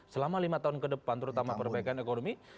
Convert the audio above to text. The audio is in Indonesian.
selama lima tahun ke depan terutama perbaikan ekonomi